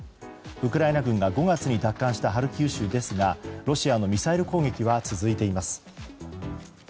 ウクライナ軍が５月に奪還したハルキウ州ですがロシアのミサイル攻撃は続いています。